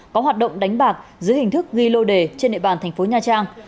có hoạt động đánh bạc dưới hình thức ghi lô đề trên địa bàn thành phố nha trang